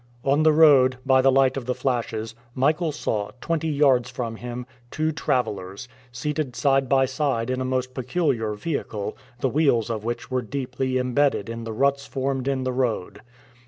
On the road, by the light of the flashes, Michael saw, twenty yards from him, two travelers, seated side by side in a most peculiar vehicle, the wheels of which were deeply imbedded in the ruts formed in the road.